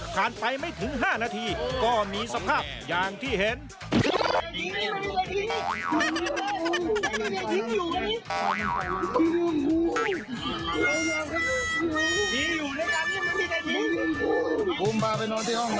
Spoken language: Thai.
ไปไม่ถึง๕นาทีก็มีสภาพอย่างที่เห็น